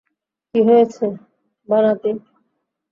কী হয়েছে, ভানাতি?